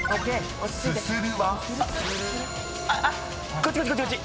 こっちこっちこっち！